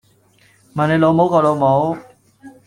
問你老母個老母